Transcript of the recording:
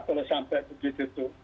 kalau sampai begitu